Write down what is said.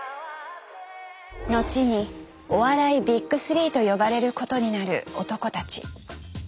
後にお笑いビッグ３と呼ばれることになる男たち。